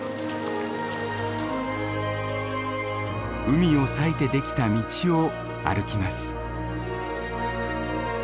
海を裂いて出来た道を歩きます。